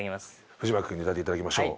藤牧君に歌って頂きましょう。